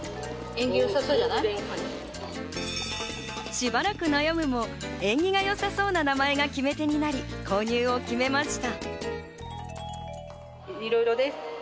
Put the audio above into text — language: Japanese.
しばらく悩むも縁起がよさそうな名前が決め手になり購入を決めました。